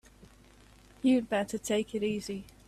You'd better take it easy.